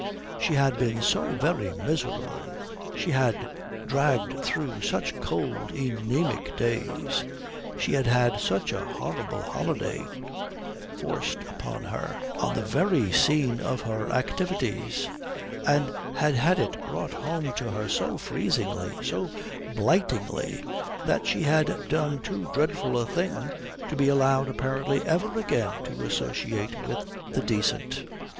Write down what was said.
She had been so very miserable. She had dragged through such cold, anæmic days. She had had such a horrible holiday, forced upon her on the very scene of her activities, and had had it brought home to her so freezingly, so blightingly, that she had done too dreadful a thing to be allowed apparently ever again to associate with the decent.